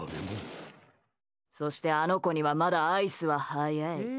そしてあの子にはまだアイスは早い。